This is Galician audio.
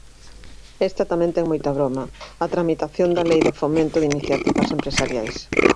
Esta tamén ten moita broma, a tramitación da Lei de fomento de iniciativas empresariais.